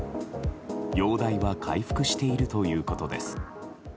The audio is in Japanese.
容体は回復しているということです。